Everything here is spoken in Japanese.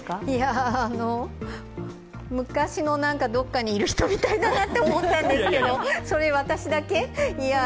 昔のどこかにいる人みたいだなって思ったんですけどそれ、私だけ？